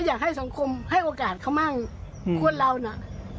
อยากให้สังคมให้โอกาสเขามั่งคนเราน่ะ